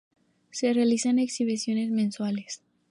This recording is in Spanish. Se realizan exhibiciones mensuales.